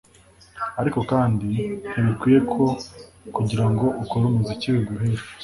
ariko kandi ntibikwiye ko kugira ngo ukore umuziki biguhire